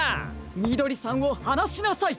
みどりさんをはなしなさい！